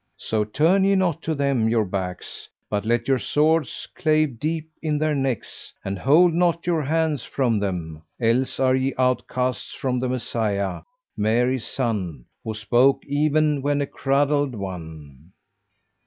So turn ye not to them your backs, but let your swords cleave deep in their necks and hold not your hands from them, else are ye outcasts from the Messiah, Mary's son, who spoke even when a cradled one!"